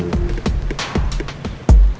bukan urusan lo juga kali